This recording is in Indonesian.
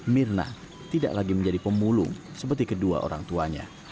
mirna tidak lagi menjadi pemulung seperti kedua orang tuanya